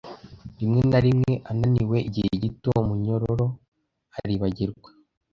rimwe na rimwe ananiwe igihe gito umunyororo aribagirwa